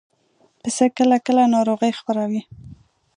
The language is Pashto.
پسه کله کله ناروغي خپروي.